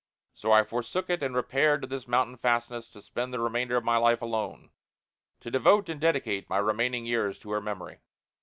So I forsook it and repaired to this mountain fastness to spend the remainder of my life alone to devote and dedicate my remaining years to her memory."